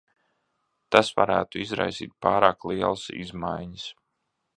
Tas varētu izraisīt pārāk lielas izmaiņas.